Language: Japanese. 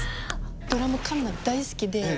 ドラムカンナ大好きで。